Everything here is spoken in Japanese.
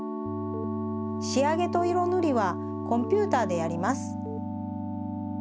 しあげといろぬりはコンピューターでやります。